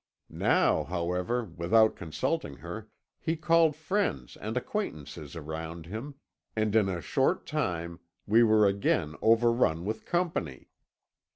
Now, however, without consulting her, he called friends and acquaintances around him, and in a short time we were again overrun with company.